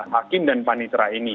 hakim dan panitra ini